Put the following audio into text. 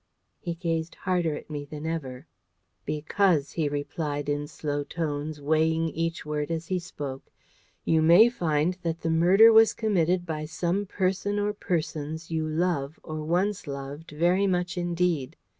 He gazed harder at me than ever. "Because," he replied in slow tones, weighing each word as he spoke, "you may find that the murder was committed by some person or persons you love or once loved very much indeed.